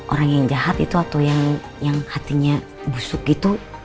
orang yang jahat itu atau yang hatinya busuk gitu